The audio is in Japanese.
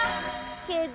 けど。